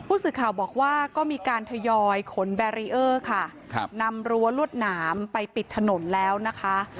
สื่อข่าวบอกว่าก็มีการทยอยขนแบรีเออร์ค่ะครับนำรั้วลวดหนามไปปิดถนนแล้วนะคะ